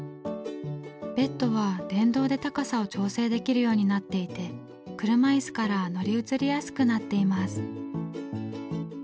ベッドは電動で高さを調整できるようになっていて車いすから乗り移りやすくなっています。